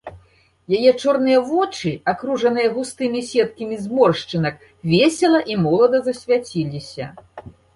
Яе чорныя вочы, акружаныя густымі сеткамі зморшчынак, весела і молада засвяціліся.